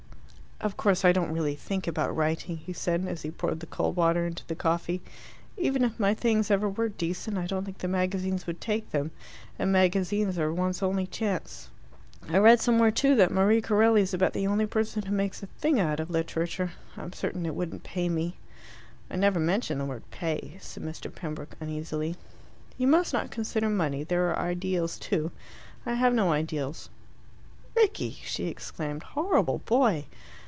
"Of course I don't really think about writing," he said, as he poured the cold water into the coffee. "Even if my things ever were decent, I don't think the magazines would take them, and the magazines are one's only chance. I read somewhere, too, that Marie Corelli's about the only person who makes a thing out of literature. I'm certain it wouldn't pay me." "I never mentioned the word 'pay,'" said Mr. Pembroke uneasily. "You must not consider money. There are ideals too." "I have no ideals." "Rickie!" she exclaimed. "Horrible boy!"